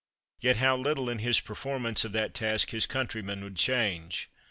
Yet how little in his performance of that task his countrymen would change!